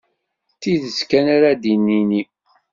D tidet kan ara d-nini.